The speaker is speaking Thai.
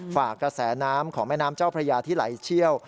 ฝากกระแสน้ำของแม่น้ำเจ้าพระยาที่ไหลเชี่ยว